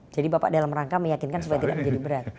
jadi bapak dalam rangka meyakinkan supaya tidak gitu